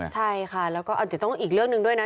ใช่ค่ะแล้วก็อาจจะต้องอีกเรื่องหนึ่งด้วยนะ